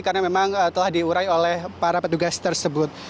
karena memang telah diurai oleh para petugas tersebut